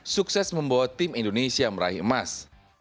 sukses membawa tim indonesia meraih emas